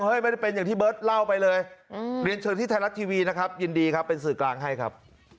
ไม่ได้เป็นอย่างที่เบิร์ตเล่าไปเลยเรียนเชิญที่ไทยรัฐทีวีนะครับยินดีครับเป็นสื่อกลางให้ครับ